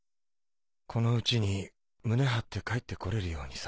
この家に胸張って帰って来れるようにさ。